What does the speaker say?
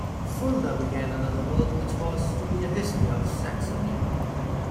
Fulda began another work which was to be a history of Saxony.